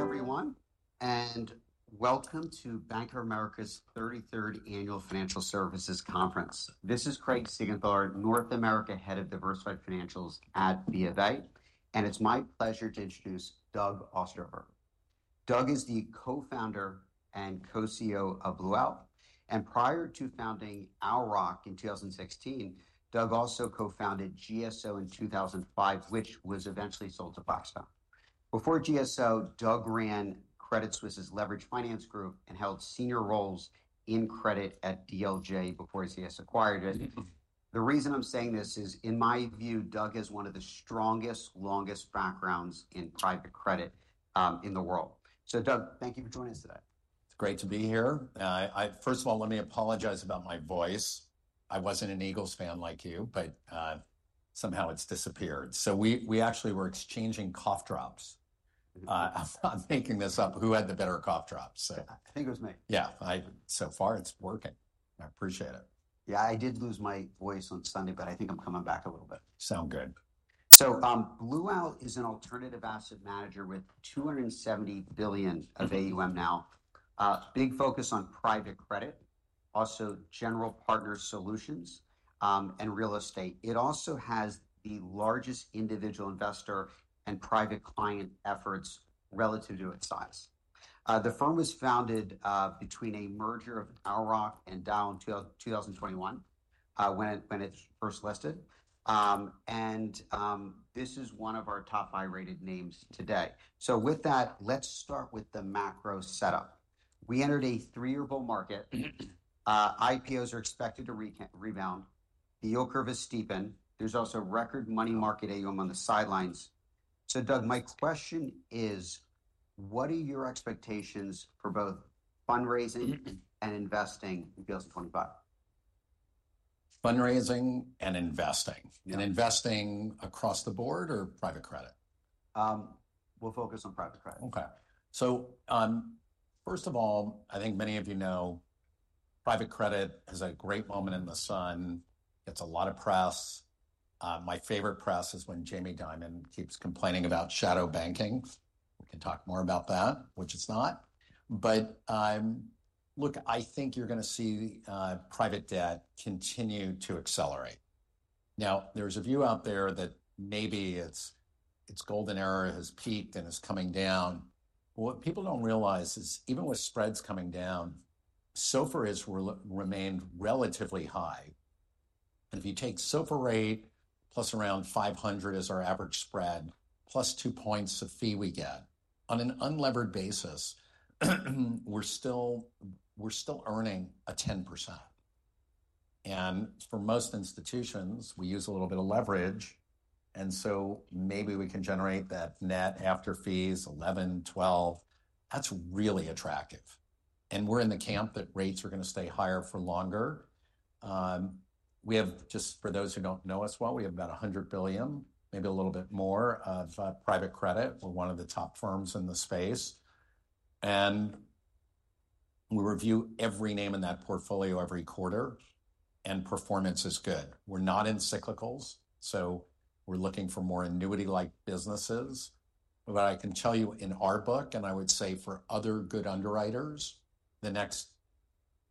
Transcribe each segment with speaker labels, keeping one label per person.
Speaker 1: Good morning, everyone, and welcome to Bank of America's 33rd Annual Financial Services Conference. This is Craig Siegenthaler, North America Head of Diversified Financials at BofA, and it's my pleasure to introduce Doug Ostrover. Doug is the co-founder and co-CEO of Blue Owl, and prior to founding Owl Rock in 2016, Doug also co-founded GSO in 2005, which was eventually sold to Blackstone. Before GSO, Doug ran Credit Suisse's leveraged finance group and held senior roles in credit at DLJ before CS acquired it. The reason I'm saying this is, in my view, Doug has one of the strongest, longest backgrounds in private credit in the world. So, Doug, thank you for joining us today.
Speaker 2: It's great to be here. First of all, let me apologize about my voice. I wasn't an Eagles fan like you, but somehow it's disappeared. So we actually were exchanging cough drops. I'm making this up. Who had the better cough drops?
Speaker 1: I think it was me.
Speaker 2: Yeah. So far it's working. I appreciate it.
Speaker 1: Yeah, I did lose my voice on Sunday, but I think I'm coming back a little bit.
Speaker 2: Sounds good.
Speaker 1: So Blue Owl is an alternative asset manager with $270 billion of AUM now, big focus on private credit, also general partner solutions and real estate. It also has the largest individual investor and private client efforts relative to its size. The firm was founded between a merger of Owl Rock and Dyal in 2021 when it first listed, and this is one of our top high-rated names today. So with that, let's start with the macro setup. We entered a three-year bull market. IPOs are expected to rebound. The yield curve has steepened. There's also record money market AUM on the sidelines. So, Doug, my question is, what are your expectations for both fundraising and investing in 2025?
Speaker 2: Fundraising and investing, and investing across the board or private credit?
Speaker 1: We'll focus on private credit.
Speaker 2: Okay. So first of all, I think many of you know private credit has a great moment in the sun. It's a lot of press. My favorite press is when Jamie Dimon keeps complaining about shadow banking. We can talk more about that, which it's not. But look, I think you're going to see private debt continue to accelerate. Now, there's a view out there that maybe its golden era has peaked and is coming down. What people don't realize is even with spreads coming down, SOFR has remained relatively high. And if you take SOFR rate plus around 500 as our average spread, plus two points of fee we get, on an unlevered basis, we're still earning a 10%. And for most institutions, we use a little bit of leverage, and so maybe we can generate that net after fees, 11%-12%. That's really attractive. We're in the camp that rates are going to stay higher for longer. We have, just for those who don't know us well, we have about $100 billion, maybe a little bit more of private credit. We're one of the top firms in the space. We review every name in that portfolio every quarter, and performance is good. We're not in cyclicals, so we're looking for more annuity-like businesses. But I can tell you in our book, and I would say for other good underwriters, the next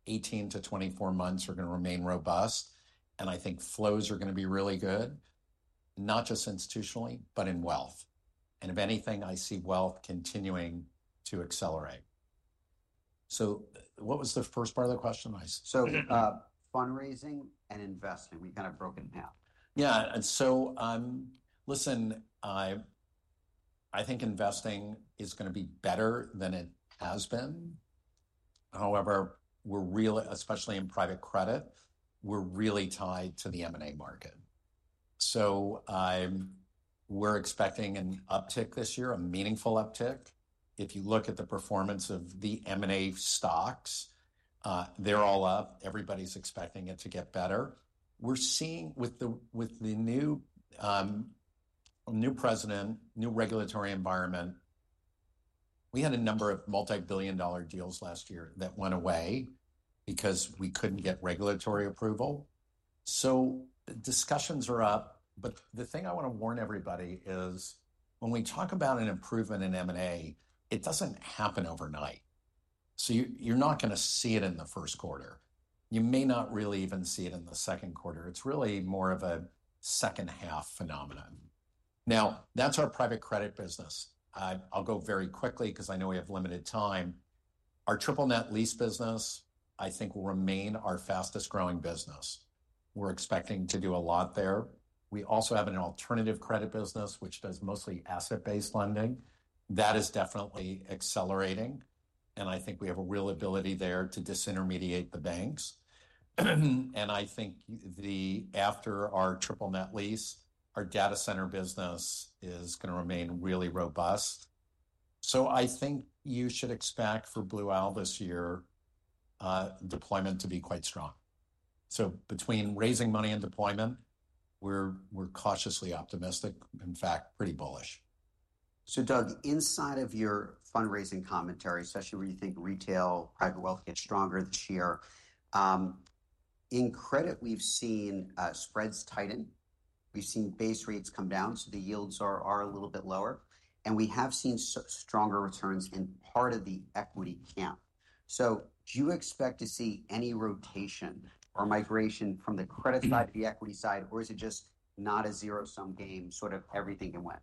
Speaker 2: 18-24 months are going to remain robust, and I think flows are going to be really good, not just institutionally, but in wealth. If anything, I see wealth continuing to accelerate. So what was the first part of the question?
Speaker 1: So fundraising and investing. We kind of broke it in half.
Speaker 2: Yeah. So listen, I think investing is going to be better than it has been. However, especially in private credit, we're really tied to the M&A market. So we're expecting an uptick this year, a meaningful uptick. If you look at the performance of the M&A stocks, they're all up. Everybody's expecting it to get better. We're seeing with the new president, new regulatory environment, we had a number of multi-billion-dollar deals last year that went away because we couldn't get regulatory approval. So discussions are up, but the thing I want to warn everybody is when we talk about an improvement in M&A, it doesn't happen overnight. So you're not going to see it in the first quarter. You may not really even see it in the second quarter. It's really more of a second half phenomenon. Now, that's our private credit business. I'll go very quickly because I know we have limited time. Our triple net lease business, I think, will remain our fastest growing business. We're expecting to do a lot there. We also have an alternative credit business, which does mostly asset-based lending. That is definitely accelerating, and I think we have a real ability there to disintermediate the banks. And I think after our triple net lease, our data center business is going to remain really robust. So I think you should expect for Blue Owl this year deployment to be quite strong. So between raising money and deployment, we're cautiously optimistic, in fact, pretty bullish.
Speaker 1: So, Doug, inside of your fundraising commentary, especially where you think retail private wealth gets stronger this year, in credit, we've seen spreads tighten. We've seen base rates come down, so the yields are a little bit lower, and we have seen stronger returns in part of the equity camp. So do you expect to see any rotation or migration from the credit side to the equity side, or is it just not a zero-sum game, sort of everything can win?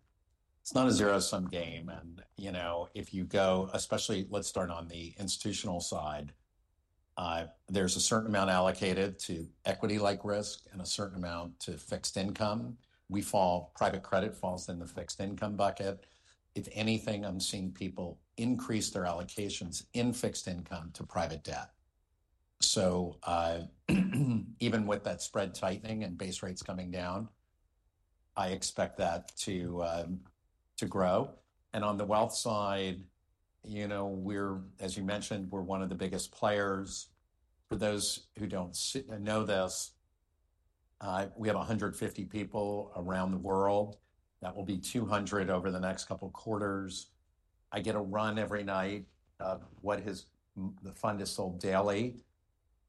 Speaker 2: It's not a zero-sum game. And if you go, especially, let's start on the institutional side, there's a certain amount allocated to equity-like risk and a certain amount to fixed income. Private credit falls in the fixed income bucket. If anything, I'm seeing people increase their allocations in fixed income to private debt. So even with that spread tightening and base rates coming down, I expect that to grow. And on the wealth side, as you mentioned, we're one of the biggest players. For those who don't know this, we have 150 people around the world. That will be 200 over the next couple of quarters. I get a run every night of what the fund has sold daily,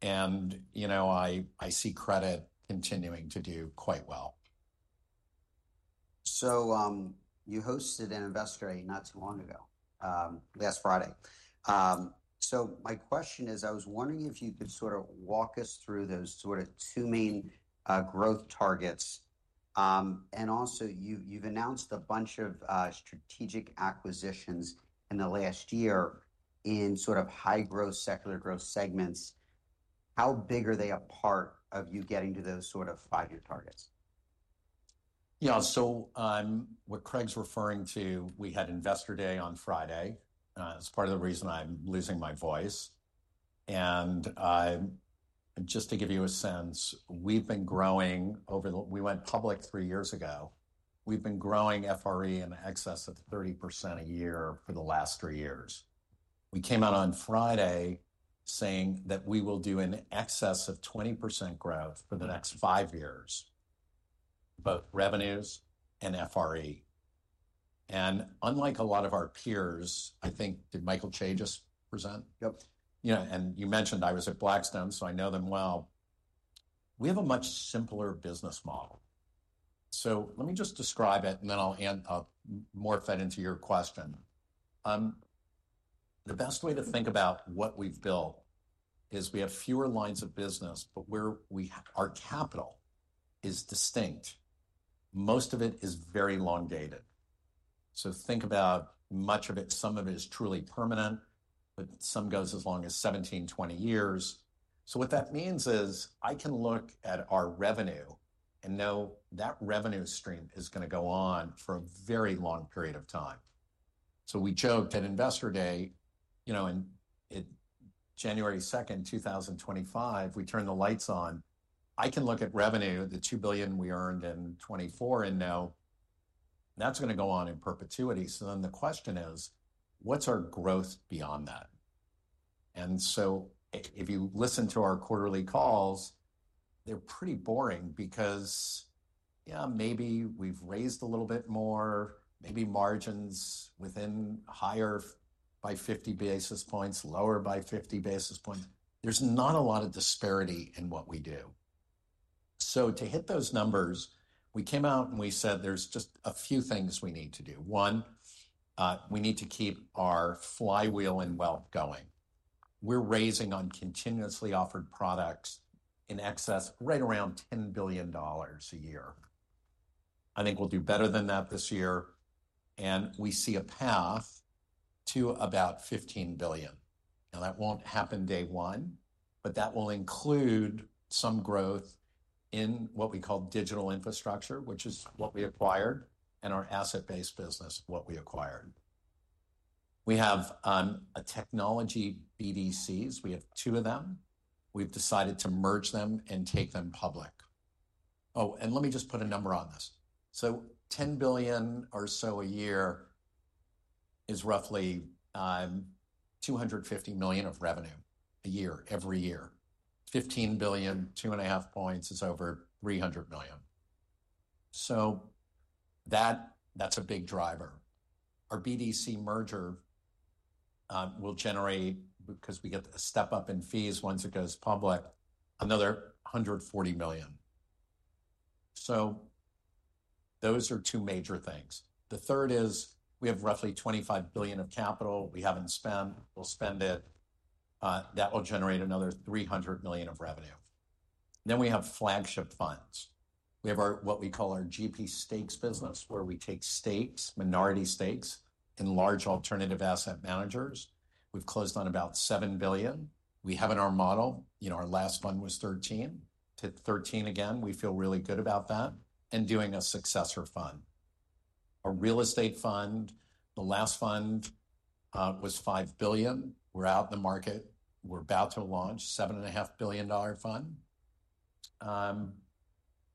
Speaker 2: and I see credit continuing to do quite well.
Speaker 1: So you hosted an investor day not too long ago, last Friday. So my question is, I was wondering if you could sort of walk us through those sort of two main growth targets. And also, you've announced a bunch of strategic acquisitions in the last year in sort of high-growth, secular growth segments. How big a part are they of you getting to those sort of five-year targets?
Speaker 2: Yeah. So what Craig's referring to, we had Investor Day on Friday. It's part of the reason I'm losing my voice. And just to give you a sense, we've been growing over the—we went public three years ago. We've been growing FRE in excess of 30% a year for the last three years. We came out on Friday saying that we will do an excess of 20% growth for the next five years, both revenues and FRE. And unlike a lot of our peers, I think—did Michael Chae just present?
Speaker 1: Yep.
Speaker 2: You mentioned I was at Blackstone, so I know them well. We have a much simpler business model. So let me just describe it, and then I'll morph that into your question. The best way to think about what we've built is we have fewer lines of business, but our capital is distinct. Most of it is very long-dated. So think about much of it; some of it is truly permanent, but some goes as long as 17, 20 years. So what that means is I can look at our revenue and know that revenue stream is going to go on for a very long period of time. So we joked at Investor Day on January 2nd, 2025, we turned the lights on. I can look at revenue, the $2 billion we earned in 2024, and know that's going to go on in perpetuity. So then the question is, what's our growth beyond that? And so if you listen to our quarterly calls, they're pretty boring because, yeah, maybe we've raised a little bit more, maybe margins went higher by 50 basis points, lower by 50 basis points. There's not a lot of disparity in what we do. So to hit those numbers, we came out and we said there's just a few things we need to do. One, we need to keep our flywheel in wealth going. We're raising on continuously offered products in excess of right around $10 billion a year. I think we'll do better than that this year, and we see a path to about $15 billion. Now, that won't happen day one, but that will include some growth in what we call digital infrastructure, which is what we acquired, and our asset-based business, what we acquired. We have a technology BDCs. We have two of them. We've decided to merge them and take them public. Oh, and let me just put a number on this, so $10 billion or so a year is roughly $250 million of revenue a year, every year. $15 billion, two and a half points, is over $300 million. So that's a big driver. Our BDC merger will generate, because we get a step up in fees once it goes public, another $140 million, so those are two major things. The third is we have roughly $25 billion of capital we haven't spent. We'll spend it. That will generate another $300 million of revenue, then we have flagship funds. We have what we call our GP stakes business, where we take stakes, minority stakes in large alternative asset managers. We've closed on about $7 billion. We have in our model our last fund was $13-$13 billion again. We feel really good about that and doing a successor fund. Our real estate fund, the last fund was $5 billion. We're out in the market. We're about to launch a $7.5 billion fund.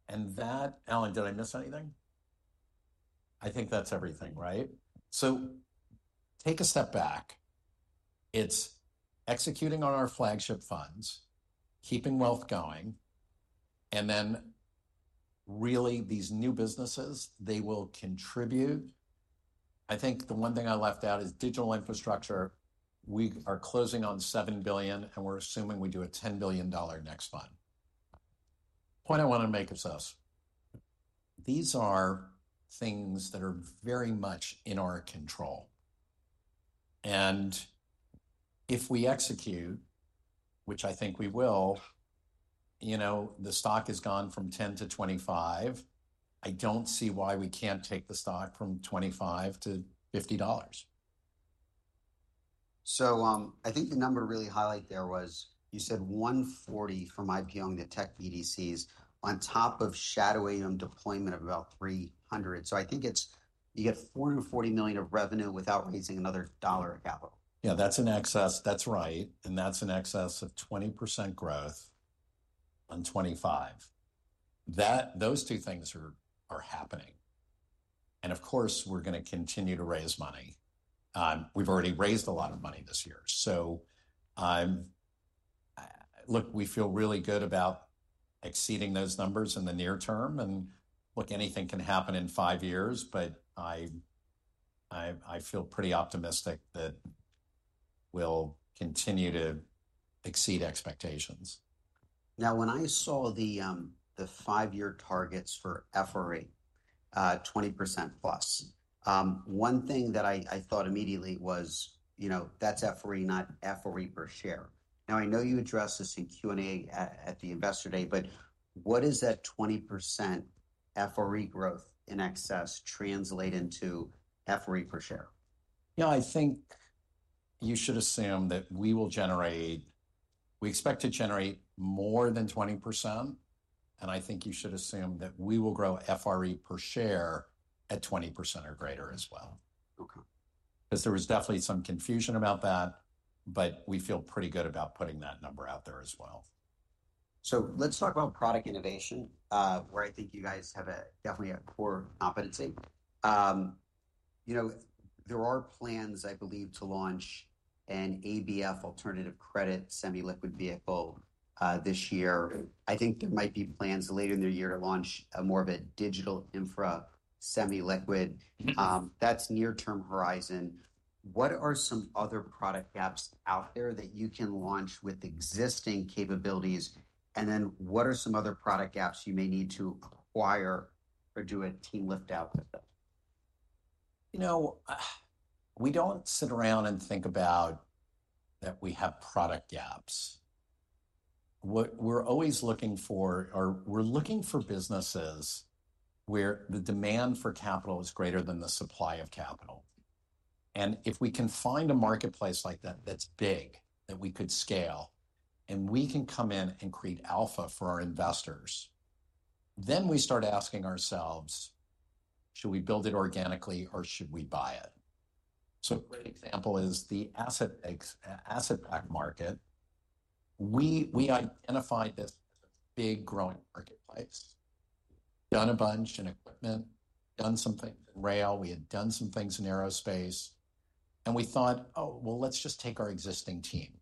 Speaker 2: And that, Alan, did I miss anything? I think that's everything, right, so take a step back. It's executing on our flagship funds, keeping wealth going, and then really these new businesses, they will contribute. I think the one thing I left out is digital infrastructure. We are closing on $7 billion, and we're assuming we do a $10 billion next fund. Point I want to make is this. These are things that are very much in our control, and if we execute, which I think we will, the stock has gone from $10-$25. I don't see why we can't take the stock from $25-$50.
Speaker 1: So, I think the number really highlight there was you said $140 from IPOing the tech BDCs on top of shadowing and deployment of about $300. So, I think you get $440 million of revenue without raising another dollar of capital.
Speaker 2: Yeah, that's in excess. That's right. And that's in excess of 20% growth on $25. Those two things are happening. And of course, we're going to continue to raise money. We've already raised a lot of money this year. So look, we feel really good about exceeding those numbers in the near term. And look, anything can happen in five years, but I feel pretty optimistic that we'll continue to exceed expectations.
Speaker 1: Now, when I saw the five-year targets for FRE, 20% plus, one thing that I thought immediately was that's FRE, not FRE per share. Now, I know you addressed this in Q&A at the Investor Day, but what does that 20% FRE growth in excess translate into FRE per share?
Speaker 2: Yeah, I think you should assume that we will generate, we expect to generate more than 20%. And I think you should assume that we will grow FRE per share at 20% or greater as well. Because there was definitely some confusion about that, but we feel pretty good about putting that number out there as well.
Speaker 1: So let's talk about product innovation, where I think you guys have definitely a core competency. There are plans, I believe, to launch an ABF alternative credit semi-liquid vehicle this year. I think there might be plans later in the year to launch more of a digital infra semi-liquid. That's near-term horizon. What are some other product gaps out there that you can launch with existing capabilities? And then what are some other product gaps you may need to acquire or do a team lift out with them?
Speaker 2: We don't sit around and think about that we have product gaps. We're always looking for, or we're looking for businesses where the demand for capital is greater than the supply of capital, and if we can find a marketplace like that that's big, that we could scale, and we can come in and create alpha for our investors, then we start asking ourselves, should we build it organically or should we buy it, so a great example is the asset-backed market. We identified this as a big growing marketplace, done a bunch in equipment, done some things in rail, we had done some things in aerospace, and we thought, "Oh, well, let's just take our existing team,"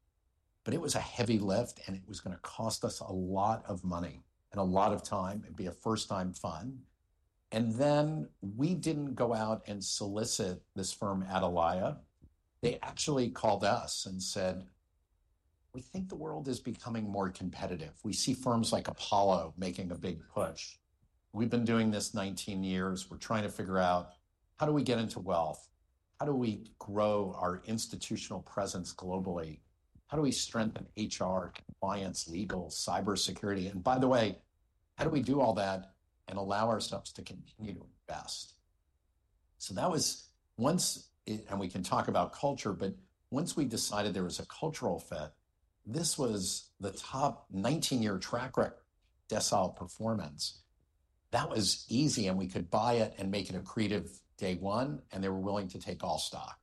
Speaker 2: but it was a heavy lift, and it was going to cost us a lot of money and a lot of time, it'd be a first-time fund. And then we didn't go out and solicit this firm at Atalaya. They actually called us and said, "We think the world is becoming more competitive. We see firms like Apollo making a big push. We've been doing this 19 years. We're trying to figure out how do we get into wealth? How do we grow our institutional presence globally? How do we strengthen HR, compliance, legal, cybersecurity? And by the way, how do we do all that and allow ourselves to continue to invest?" So that was, and we can talk about culture, but once we decided there was a cultural fit, this was the top 19-year track record decile performance. That was easy, and we could buy it and make it a creative day one, and they were willing to take all stock.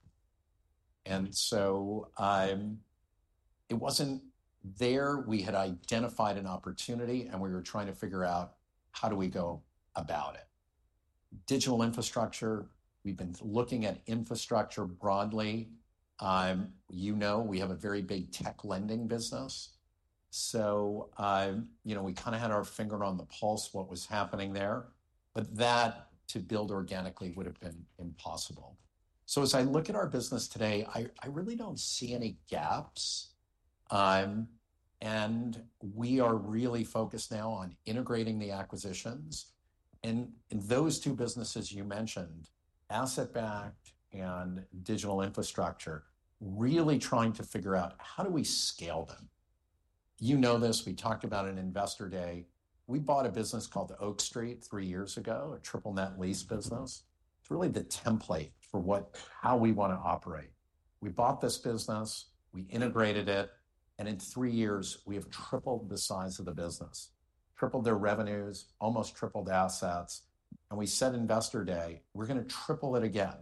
Speaker 2: And so it wasn't there. We had identified an opportunity, and we were trying to figure out how do we go about it. Digital infrastructure. We've been looking at infrastructure broadly. You know, we have a very big tech lending business. So we kind of had our finger on the pulse of what was happening there, but that to build organically would have been impossible, so as I look at our business today, I really don't see any gaps, and we are really focused now on integrating the acquisitions, and in those two businesses you mentioned, asset-backed and digital infrastructure, really trying to figure out how do we scale them. You know this. We talked about it in Investor Day. We bought a business called Oak Street three years ago, a triple-net lease business. It's really the template for how we want to operate. We bought this business. We integrated it. In three years, we have tripled the size of the business, tripled their revenues, almost tripled assets. We said in Investor Day, "We're going to triple it again."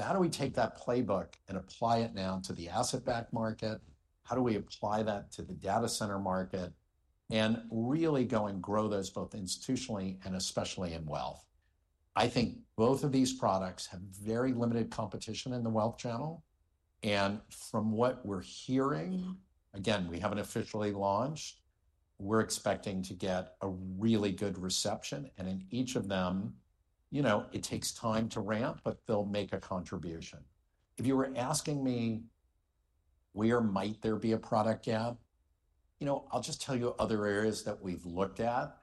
Speaker 2: How do we take that playbook and apply it now to the asset-backed market? How do we apply that to the data center market? Really go and grow those both institutionally and especially in wealth. I think both of these products have very limited competition in the wealth channel. From what we're hearing, again, we haven't officially launched. We're expecting to get a really good reception. In each of them, it takes time to ramp, but they'll make a contribution. If you were asking me, where might there be a product gap? I'll just tell you other areas that we've looked at.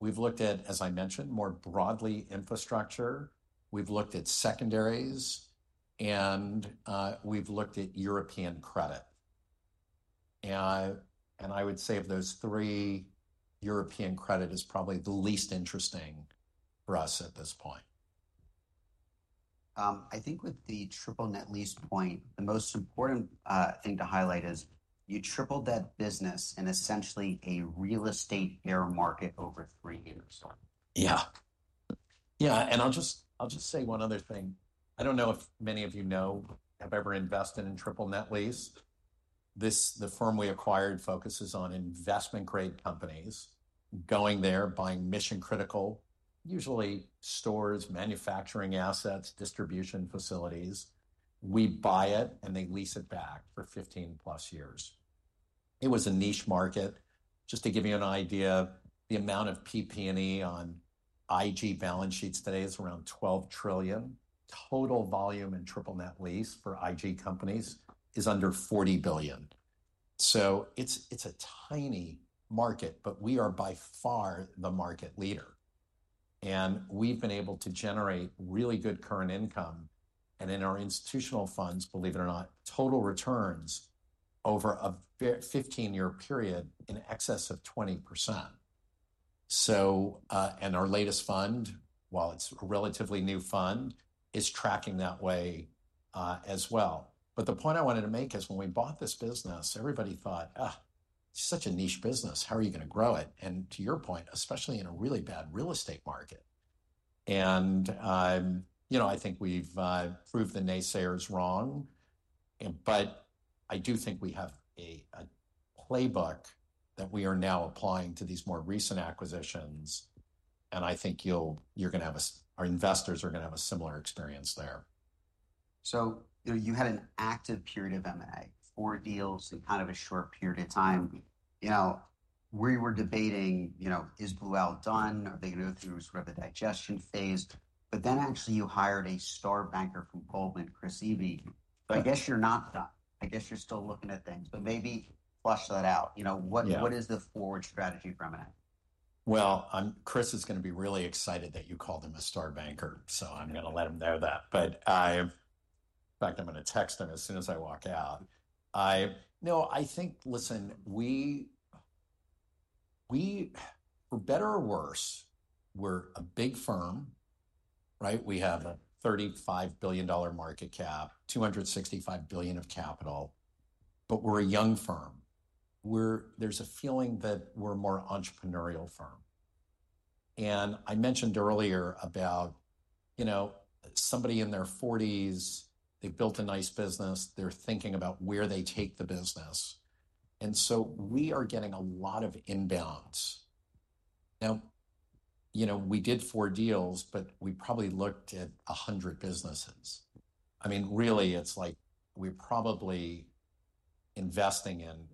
Speaker 2: We've looked at, as I mentioned, more broadly infrastructure. We've looked at secondaries, and we've looked at European credit, and I would say of those three, European credit is probably the least interesting for us at this point.
Speaker 1: I think with the Triple Net Lease point, the most important thing to highlight is you tripled that business in essentially a real estate bear market over three years.
Speaker 2: Yeah. Yeah. And I'll just say one other thing. I don't know if many of you know, have ever invested in triple-net lease. The firm we acquired focuses on investment-grade companies, going there, buying mission-critical, usually stores, manufacturing assets, distribution facilities. We buy it, and they lease it back for 15-plus years. It was a niche market. Just to give you an idea, the amount of PP&E on IG balance sheets today is around $12 trillion. Total volume in triple-net lease for IG companies is under $40 billion. So it's a tiny market, but we are by far the market leader. And we've been able to generate really good current income. And in our institutional funds, believe it or not, total returns over a 15-year period in excess of 20%. And our latest fund, while it's a relatively new fund, is tracking that way as well. But the point I wanted to make is when we bought this business, everybody thought, it's such a niche business. How are you going to grow it? And to your point, especially in a really bad real estate market. And I think we've proved the naysayers wrong. But I do think we have a playbook that we are now applying to these more recent acquisitions. And I think you're going to have us, our investors are going to have a similar experience there.
Speaker 1: So you had an active period of M&A, four deals in kind of a short period of time. We were debating, is Blue Owl done? Are they going to go through sort of a digestion phase? But then actually you hired a star banker from Goldman, Chris Eby. I guess you're not done. I guess you're still looking at things. But maybe flesh that out. What is the forward strategy for M&A?
Speaker 2: Chris is going to be really excited that you called him a star banker. So I'm going to let him know that. But in fact, I'm going to text him as soon as I walk out. No, I think, listen, for better or worse, we're a big firm, right? We have a $35 billion market cap, $265 billion of capital. But we're a young firm. There's a feeling that we're a more entrepreneurial firm. And I mentioned earlier about somebody in their 40s, they've built a nice business, they're thinking about where they take the business. And so we are getting a lot of inbounds. Now, we did four deals, but we probably looked at 100 businesses. I mean, really, it's like we're probably investing in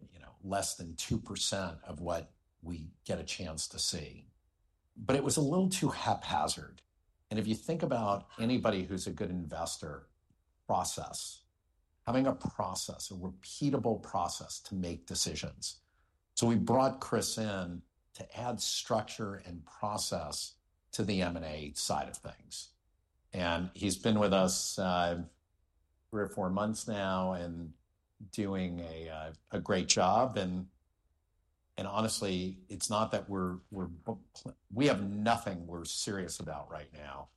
Speaker 2: less than 2% of what we get a chance to see. But it was a little too haphazard. And if you think about anybody who's a good investor, process, having a process, a repeatable process to make decisions. So we brought Chris in to add structure and process to the M&A side of things. And he's been with us three or four months now and doing a great job. And honestly, it's not that we have nothing we're serious about right now.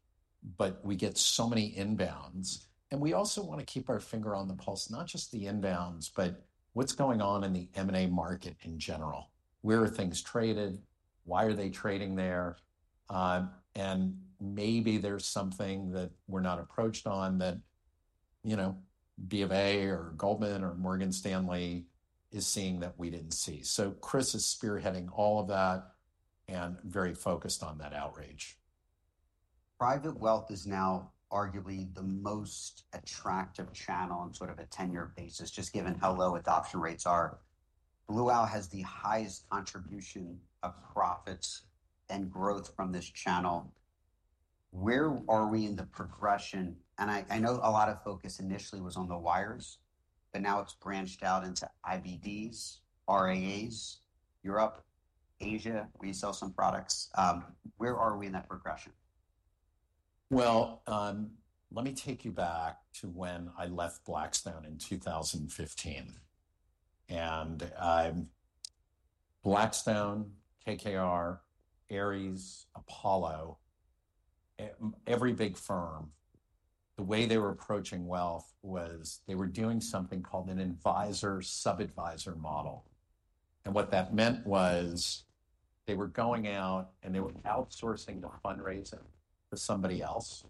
Speaker 2: But we get so many inbounds. And we also want to keep our finger on the pulse, not just the inbounds, but what's going on in the M&A market in general. Where are things traded? Why are they trading there? And maybe there's something that we're not approached on that BofA or Goldman or Morgan Stanley is seeing that we didn't see. So Chris is spearheading all of that and very focused on that area.
Speaker 1: Private wealth is now arguably the most attractive channel on sort of a 10-year basis, just given how low adoption rates are. Blue Owl has the highest contribution of profits and growth from this channel. Where are we in the progression? And I know a lot of focus initially was on the wires, but now it's branched out into IBDs, RIAs, Europe, Asia. We sell some products. Where are we in that progression?
Speaker 2: Let me take you back to when I left Blackstone in 2015. Blackstone, KKR, Ares, Apollo, every big firm, the way they were approaching wealth was they were doing something called an advisor-sub-advisor model. What that meant was they were going out and they were outsourcing the fundraising to somebody else.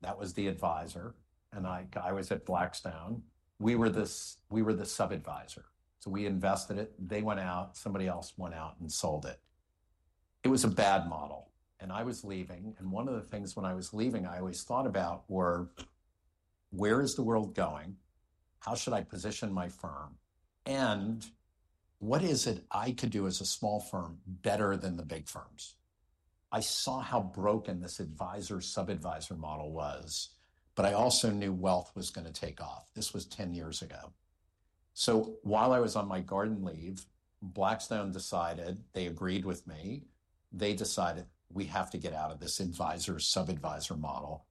Speaker 2: That was the advisor. I was at Blackstone. We were the sub-advisor. So we invested it. They went out. Somebody else went out and sold it. It was a bad model. I was leaving. One of the things when I was leaving I always thought about were where is the world going, how should I position my firm, and what is it I could do as a small firm better than the big firms. I saw how broken this advisor-sub-advisor model was, but I also knew wealth was going to take off. This was 10 years ago, so while I was on my garden leave, Blackstone decided, they agreed with me. They decided, "We have to get out of this advisor-sub-advisor model,"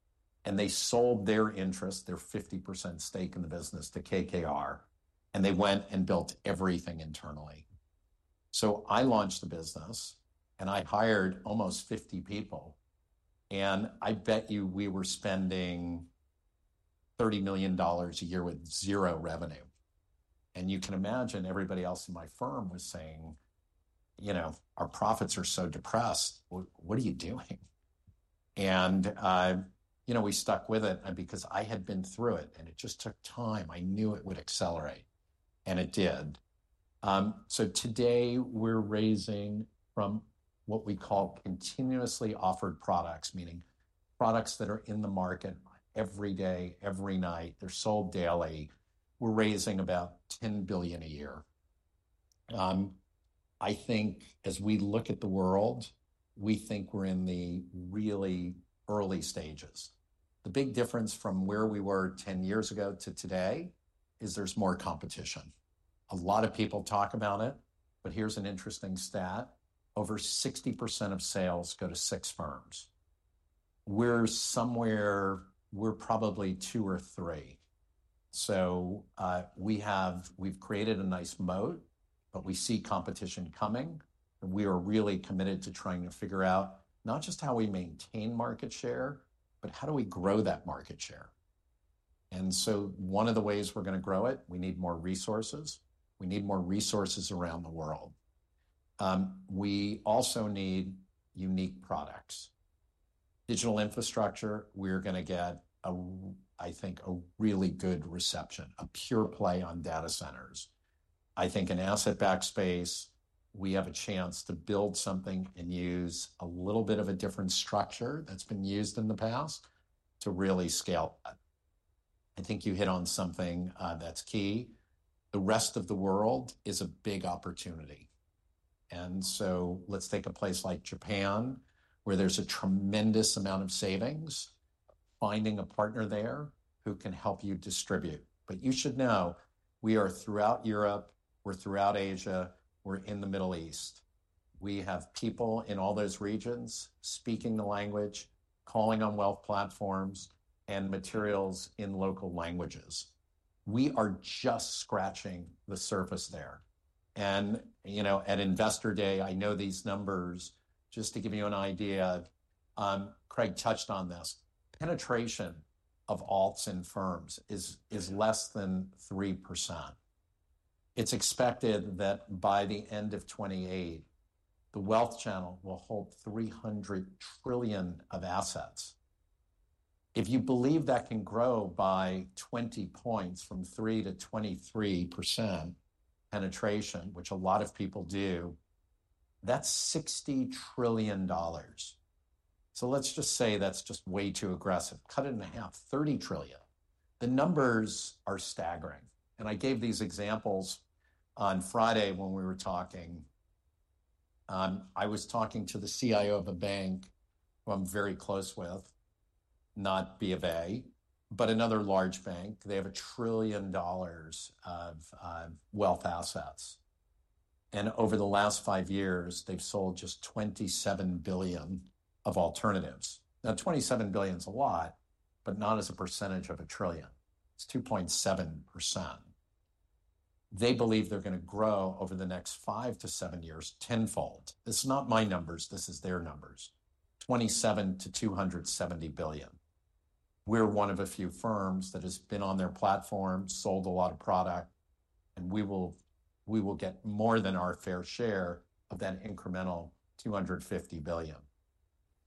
Speaker 2: and they sold their interest, their 50% stake in the business to KKR, and they went and built everything internally, so I launched the business, and I hired almost 50 people, and I bet you we were spending $30 million a year with zero revenue, and you can imagine everybody else in my firm was saying, "Our profits are so depressed. What are you doing?" And we stuck with it because I had been through it, and it just took time. I knew it would accelerate, and it did, so today we're raising from what we call continuously offered products, meaning products that are in the market every day, every night. They're sold daily. We're raising about $10 billion a year. I think as we look at the world, we think we're in the really early stages. The big difference from where we were 10 years ago to today is there's more competition. A lot of people talk about it, but here's an interesting stat. Over 60% of sales go to six firms. We're somewhere, probably two or three. So we've created a nice moat, but we see competition coming, and we are really committed to trying to figure out not just how we maintain market share, but how do we grow that market share. One of the ways we're going to grow it is we need more resources. We need more resources around the world. We also need unique products. Digital infrastructure, we're going to get, I think, a really good reception, a pure play on data centers. I think in asset-backed space, we have a chance to build something and use a little bit of a different structure that's been used in the past to really scale up. I think you hit on something that's key. The rest of the world is a big opportunity. And so let's take a place like Japan, where there's a tremendous amount of savings, finding a partner there who can help you distribute. But you should know we are throughout Europe. We're throughout Asia. We're in the Middle East. We have people in all those regions speaking the language, calling on wealth platforms and materials in local languages. We are just scratching the surface there. And at Investor Day, I know these numbers, just to give you an idea, Craig touched on this. Penetration of alts in firms is less than 3%. It's expected that by the end of 2028, the wealth channel will hold $300 trillion of assets. If you believe that can grow by 20 points from 3%-23% penetration, which a lot of people do, that's $60 trillion. So let's just say that's just way too aggressive. Cut it in half, $30 trillion. The numbers are staggering, and I gave these examples on Friday when we were talking. I was talking to the CIO of a bank who I'm very close with, not BofA, but another large bank. They have $1 trillion of wealth assets, and over the last five years, they've sold just $27 billion of alternatives. Now, $27 billion is a lot, but not as a percentage of a trillion. It's 2.7%. They believe they're going to grow over the next five to seven years tenfold. This is not my numbers. This is their numbers. $27-$270 billion. We're one of a few firms that has been on their platform, sold a lot of product, and we will get more than our fair share of that incremental $250 billion.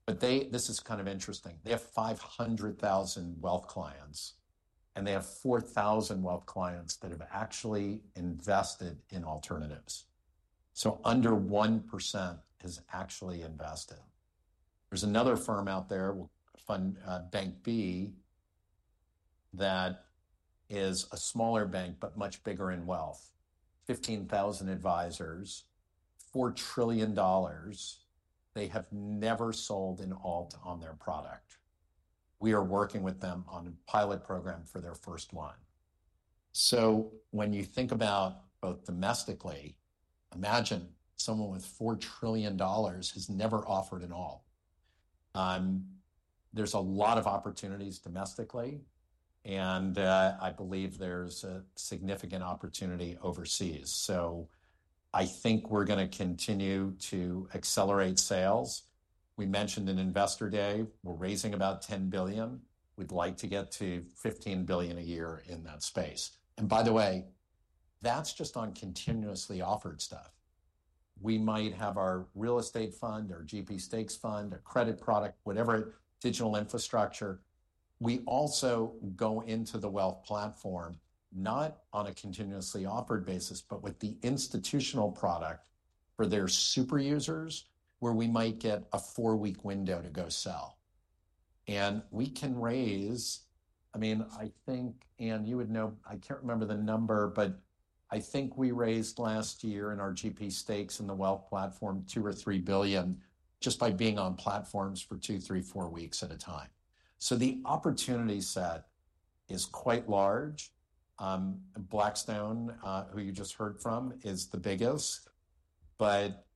Speaker 2: But this is kind of interesting. They have 500,000 wealth clients, and they have 4,000 wealth clients that have actually invested in alternatives. So under 1% has actually invested. There's another firm out there, Bank B, that is a smaller bank, but much bigger in wealth. 15,000 advisors, $4 trillion. They have never sold an alt on their product. We are working with them on a pilot program for their first one. So when you think about both domestically, imagine someone with $4 trillion has never offered an alt. There's a lot of opportunities domestically, and I believe there's a significant opportunity overseas. So I think we're going to continue to accelerate sales. We mentioned in Investor Day, we're raising about $10 billion. We'd like to get to $15 billion a year in that space. And by the way, that's just on continuously offered stuff. We might have our real estate fund, our GP Stakes fund, our credit product, whatever, digital infrastructure. We also go into the wealth platform, not on a continuously offered basis, but with the institutional product for their super users, where we might get a four-week window to go sell. And we can raise, I mean, I think, and you would know, I can't remember the number, but I think we raised last year in our GP Stakes and the wealth platform $2 or $3 billion just by being on platforms for two, three, four weeks at a time. So the opportunity set is quite large. Blackstone, who you just heard from, is the biggest. But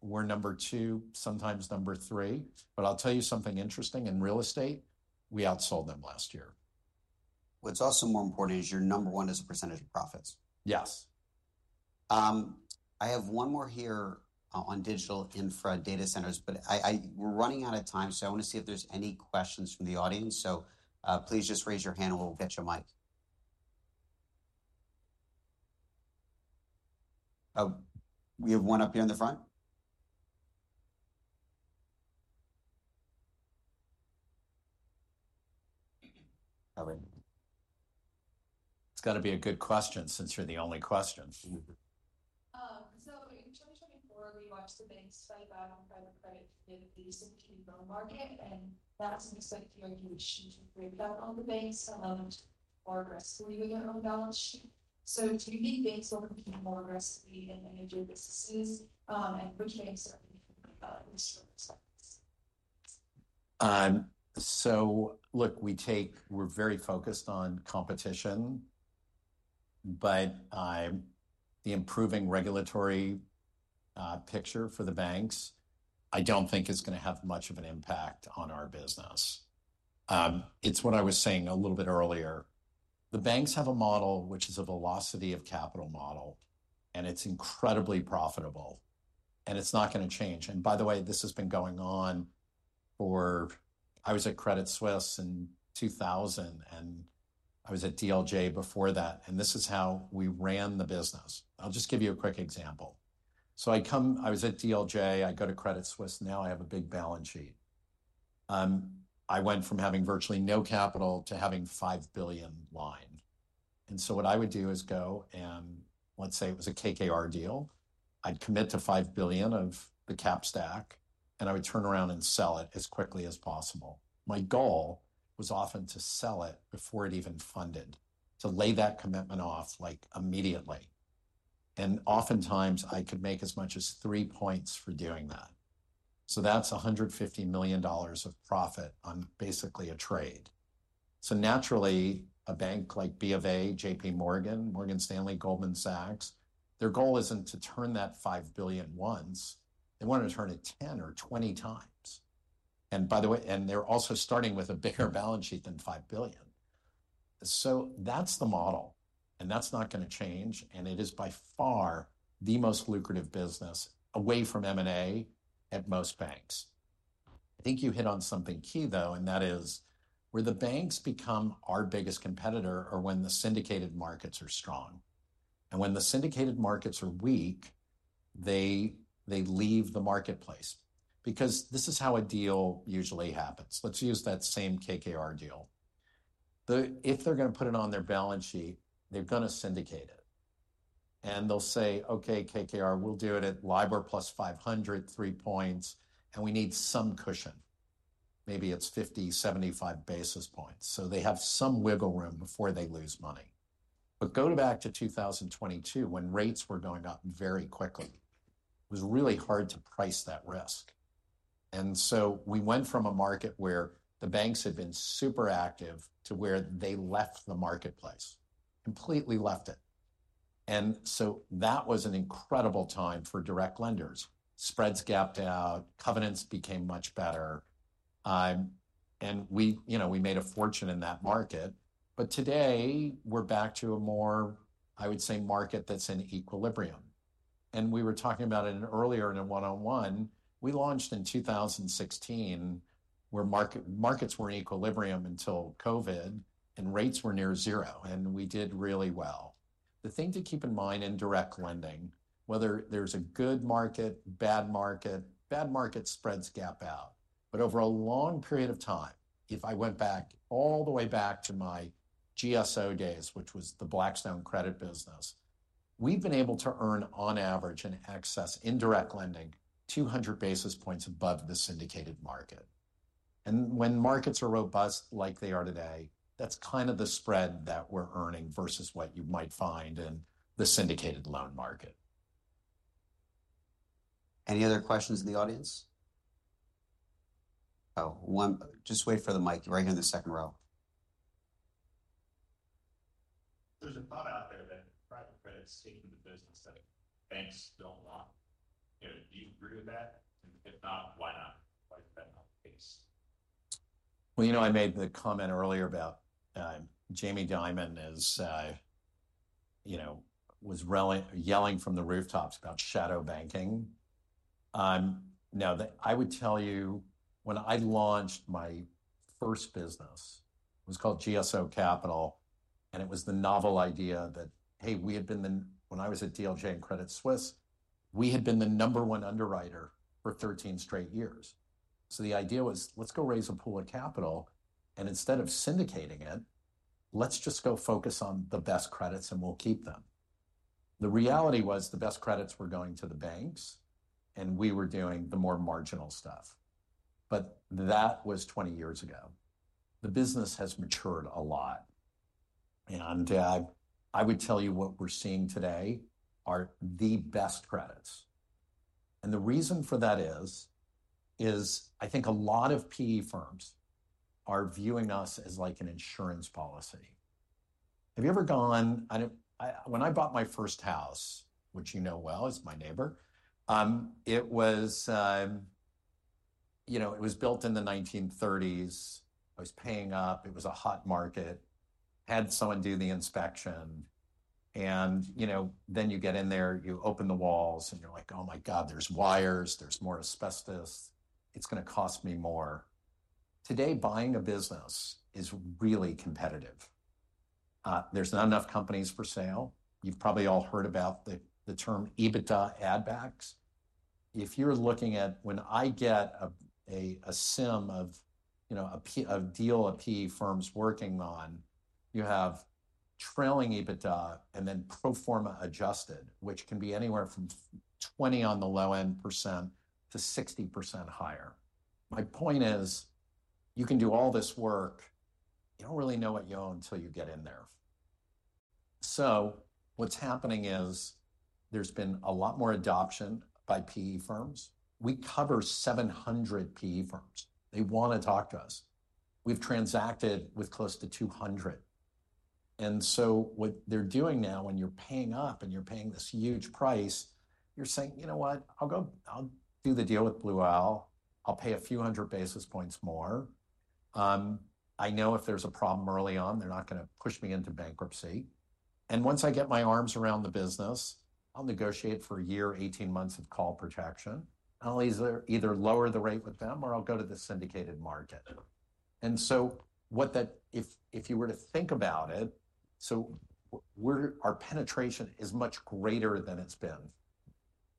Speaker 2: we're number two, sometimes number three. But I'll tell you something interesting in real estate. We outsold them last year.
Speaker 1: What's also more important is you're number one as a percentage of profits.
Speaker 2: Yes.
Speaker 1: I have one more here on digital infra data centers, but we're running out of time, so I want to see if there's any questions from the audience. So please just raise your hand and we'll get you a mic. We have one up here in the front.
Speaker 2: It's got to be a good question since you're the only question. So in 2024, we watched the banks fight back on private credit to get a decent IPO market. And that's an expected reaction to have all the banks more aggressively with their own balance sheet. So do you think banks will compete more aggressively and manage their businesses? And which banks are you thinking about in this circumstance? So look, we're very focused on competition, but the improving regulatory picture for the banks, I don't think is going to have much of an impact on our business. It's what I was saying a little bit earlier. The banks have a model which is a velocity of capital model, and it's incredibly profitable. And it's not going to change. And by the way, this has been going on for, I was at Credit Suisse in 2000, and I was at DLJ before that. And this is how we ran the business. I'll just give you a quick example. So I was at DLJ. I go to Credit Suisse. Now I have a big balance sheet. I went from having virtually no capital to having $5 billion line. And so what I would do is go, and let's say it was a KKR deal, I'd commit to $5 billion of the cap stack, and I would turn around and sell it as quickly as possible. My goal was often to sell it before it even funded, to lay that commitment off like immediately. And oftentimes I could make as much as three points for doing that. So that's $150 million of profit on basically a trade. So naturally, a bank like BofA, JPMorgan, Morgan Stanley, Goldman Sachs, their goal isn't to turn that $5 billion once. They want to turn it 10 or 20 times. And by the way, and they're also starting with a bigger balance sheet than $5 billion. So that's the model. And that's not going to change. It is by far the most lucrative business away from M&A at most banks. I think you hit on something key, though, and that is where the banks become our biggest competitor are when the syndicated markets are strong. When the syndicated markets are weak, they leave the marketplace. Because this is how a deal usually happens. Let's use that same KKR deal. If they're going to put it on their balance sheet, they've got to syndicate it. And they'll say, "Okay, KKR, we'll do it at LIBOR plus 500, three points, and we need some cushion." Maybe it's 50-75 basis points. So they have some wiggle room before they lose money. Go back to 2022 when rates were going up very quickly. It was really hard to price that risk. And so we went from a market where the banks had been super active to where they left the marketplace, completely left it. And so that was an incredible time for direct lenders. Spreads gapped out. Covenants became much better. And we made a fortune in that market. But today we're back to a more, I would say, market that's in equilibrium. And we were talking about it earlier in a 101. We launched in 2016 where markets were in equilibrium until COVID, and rates were near zero, and we did really well. The thing to keep in mind in direct lending, whether there's a good market, bad market, spreads gap out, but over a long period of time, if I went back all the way back to my GSO days, which was the Blackstone credit business, we've been able to earn on average an excess in direct lending 200 basis points above the syndicated market. And when markets are robust like they are today, that's kind of the spread that we're earning versus what you might find in the syndicated loan market.
Speaker 1: Any other questions in the audience? Oh, just wait for the mic. You're right here in the second row. There's a thought out there that private credit's taking the business that banks don't want. Do you agree with that? And if not, why not? Why is that not the case?
Speaker 2: You know I made the comment earlier about Jamie Dimon was yelling from the rooftops about shadow banking. Now, I would tell you when I launched my first business, it was called GSO Capital, and it was the novel idea that, hey, we had been the, when I was at DLJ and Credit Suisse, we had been the number one underwriter for 13 straight years. So the idea was, let's go raise a pool of capital, and instead of syndicating it, let's just go focus on the best credits and we'll keep them. The reality was the best credits were going to the banks, and we were doing the more marginal stuff. But that was 20 years ago. The business has matured a lot. And I would tell you what we're seeing today are the best credits. The reason for that is, I think a lot of PE firms are viewing us as like an insurance policy. Have you ever gone, when I bought my first house, which you know well is my neighbor, it was built in the 1930s. I was paying up. It was a hot market. Had someone do the inspection. And then you get in there, you open the walls, and you're like, "Oh my God, there's wires. There's more asbestos. It's going to cost me more." Today, buying a business is really competitive. There's not enough companies for sale. You've probably all heard about the term EBITDA add-backs. If you're looking at when I get a CIM of a deal a PE firm's working on, you have trailing EBITDA and then pro forma adjusted, which can be anywhere from 20% on the low end to 60% higher. My point is, you can do all this work. You don't really know what you own until you get in there. So what's happening is there's been a lot more adoption by PE firms. We cover 700 PE firms. They want to talk to us. We've transacted with close to 200. And so what they're doing now, when you're paying up and you're paying this huge price, you're saying, "You know what? I'll do the deal with Blue Owl. I'll pay a few hundred basis points more. I know if there's a problem early on, they're not going to push me into bankruptcy. And once I get my arms around the business, I'll negotiate for a year, 18 months of call protection. I'll either lower the rate with them or I'll go to the syndicated market," and so if you were to think about it, so our penetration is much greater than it's been.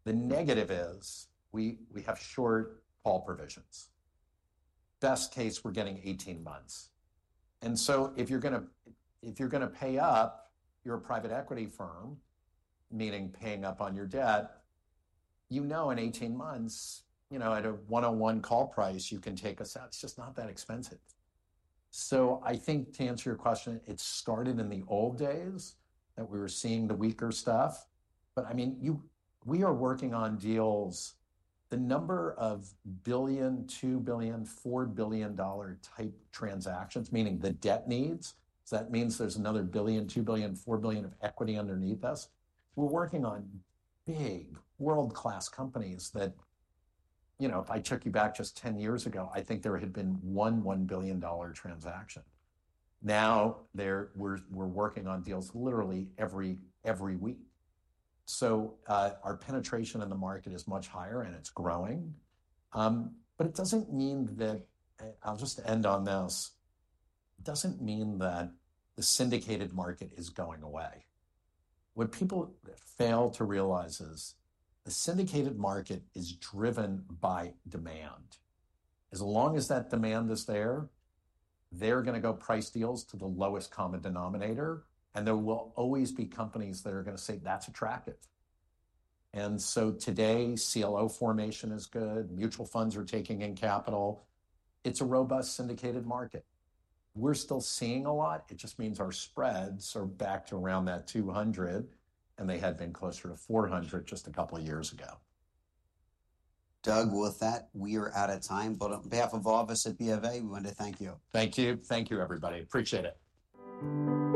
Speaker 2: The negative is we have short call provisions. Best case, we're getting 18 months, and so if you're going to pay up your private equity firm, meaning paying up on your debt, you know in 18 months, at a 101 call price, you can take us out. It's just not that expensive. So I think to answer your question, it started in the old days that we were seeing the weaker stuff. But I mean, we are working on deals. The number of billion, $2 billion, $4 billion type transactions, meaning the debt needs, so that means there's another billion, $2 billion, $4 billion of equity underneath us. We're working on big, world-class companies that if I took you back just 10 years ago, I think there had been one $1 billion transaction. Now we're working on deals literally every week. So our penetration in the market is much higher, and it's growing. But it doesn't mean that, and I'll just end on this, it doesn't mean that the syndicated market is going away. What people fail to realize is the syndicated market is driven by demand. As long as that demand is there, they're going to go price deals to the lowest common denominator, and there will always be companies that are going to say, "That's attractive." And so today, CLO formation is good. Mutual funds are taking in capital. It's a robust syndicated market. We're still seeing a lot. It just means our spreads are back to around that 200, and they had been closer to 400 just a couple of years ago.
Speaker 1: Doug, with that, we are out of time, but on behalf of all of us at BofA, we wanted to thank you.
Speaker 2: Thank you. Thank you, everybody. Appreciate it.